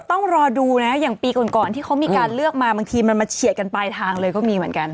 ต้องรอดูนะอย่างปีก่อนที่เขามีการเลือกมาบางทีมันมาเฉียดกันปลายทางเลยก็มีเหมือนกัน